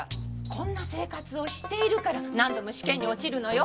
こんな生活をしているから何度も試験に落ちるのよ。